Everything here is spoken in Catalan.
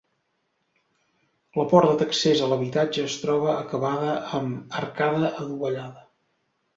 La porta d'accés a l'habitatge es troba acabada amb arcada adovellada.